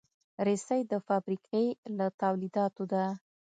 رسۍ د فابریکې له تولیداتو ده.